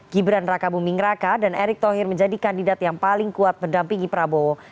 gibran raka buming raka dan erick thohir menjadi kandidat yang paling kuat mendampingi prabowo